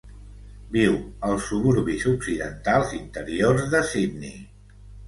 Viu als suburbis occidentals interiors de Sydney.